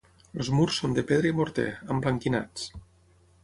Els murs són de pedra i morter, emblanquinats.